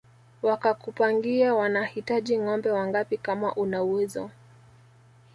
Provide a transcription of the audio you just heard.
Wakakupangia wanahitaji ngombe wangapi kama una uwezo